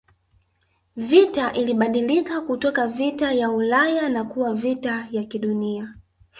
Vita ilibadilika kutoka vita ya Ulaya na kuwa vita ya kidunia